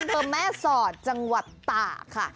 เบอร์แม่สอดจังหวัดต๋าค่ะ